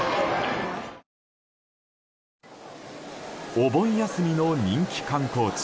お盆休みの人気観光地